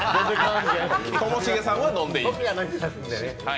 ともしげさんは飲んでいい。